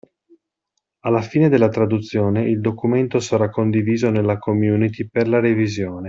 Alla fine della traduzione il documento sarà condiviso nella community per la revisione.